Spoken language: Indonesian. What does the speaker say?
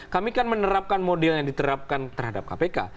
kami kan menerapkan model yang diterapkan terhadap kpk